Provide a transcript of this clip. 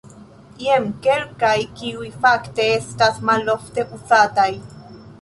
Jen kelkaj, kiuj fakte estas malofte uzataj.